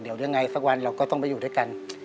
เดี๋ยวยังไงสักวันเราก็ต้องไปอยู่ด้วยกัน